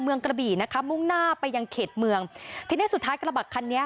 กระบี่นะคะมุ่งหน้าไปยังเขตเมืองทีเนี้ยสุดท้ายกระบะคันนี้